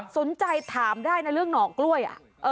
สนใจถามได้นะเรื่องหน่อกล้วย